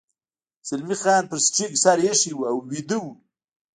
زلمی خان پر سټرینګ سر اېښی و او ویده و.